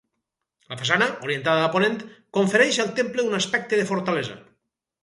La façana, orientada a ponent, confereix al temple un aspecte de fortalesa.